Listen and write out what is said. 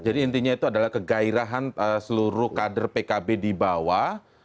intinya itu adalah kegairahan seluruh kader pkb di bawah